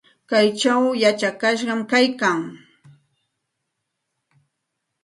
Kaychaw yachakashqam kaykaa.